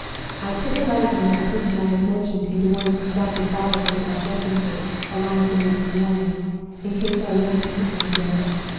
"I put a letter from that person I have mentioned into one of the stoppered bottles of my dressing case, along with the mate's warning, in case I lived to see him again.